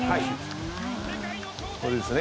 これですね。